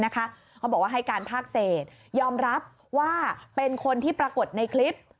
เขาบอกว่าให้การภาคเศษยอมรับว่าเป็นคนที่ปรากฏในคลิป